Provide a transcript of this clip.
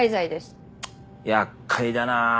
ちっやっかいだな。